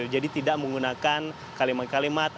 jadi tidak menggunakan kalimat kalimat